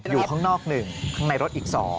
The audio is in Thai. อยู่ข้างนอก๑ข้างในรถอีก๒